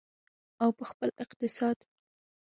او په خپل اقتصاد.